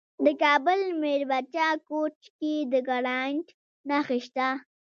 د کابل په میربچه کوټ کې د ګرانیټ نښې شته.